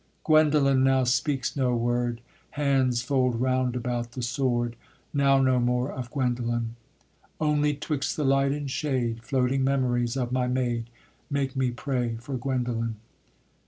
Guendolen now speaks no word, Hands fold round about the sword: Now no more of Guendolen. Only 'twixt the light and shade Floating memories of my maid Make me pray for Guendolen.